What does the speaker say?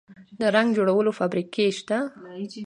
د رنګ جوړولو فابریکې شته؟